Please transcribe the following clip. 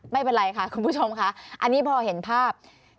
ไม่เป็นไรค่ะคุณผู้ชมค่ะอันนี้พอเห็นภาพ